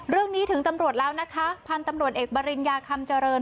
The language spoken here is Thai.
เรื่องนี้ถึงตำรวจแล้วนะคะพันธุ์ตำรวจเอกบริญญาคำเจริญ